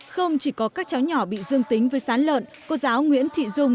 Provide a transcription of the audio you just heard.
không chỉ có các cháu nhỏ bị dương tính với sán lợn cô giáo nguyễn thị dung